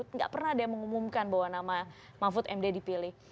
tidak pernah ada yang mengumumkan bahwa nama mahfud md dipilih